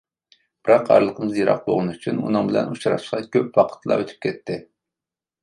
بىراق ئارىلىقىمىز يىراق بوغىنى ئۈچۈن ئۇنىڭ بىلەن ئۇچراشقىچە كۆپ ۋاقىتلا ئۆتۈپ كەتتى.